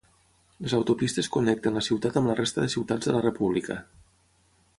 Les autopistes connecten la ciutat amb la resta de ciutats de la república.